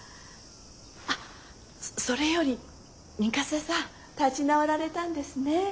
あっそれより三笠さん立ち直られたんですね。